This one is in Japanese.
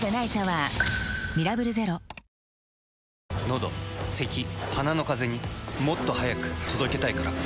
のどせき鼻のカゼにもっと速く届けたいから。